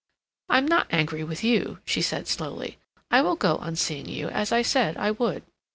"I'm not angry with you," she said slowly. "I will go on seeing you, as I said I would."